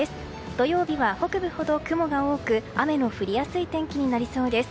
土曜日は北部ほど雲が多く雨の降りやすい天気になりそうです。